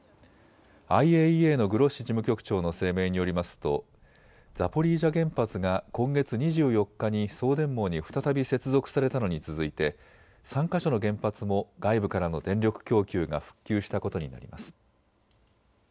ＩＡＥＡのグロッシ事務局長の声明によりますとザポリージャ原発が今月２４日に送電網に再び接続されたのに続いて３か所の原発も外部からの電力供給が復旧したことになります。